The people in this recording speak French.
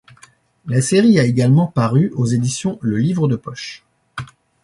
La série a également paru aux éditions Le Livre de poche.